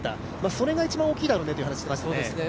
それが一番大きいだろうねと話していました。